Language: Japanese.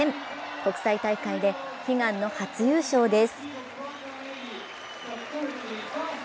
国際大会で悲願の初優勝です。